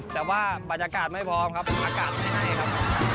แต่ว่าบรรยากาศไม่พร้อมครับอากาศไม่ให้ครับ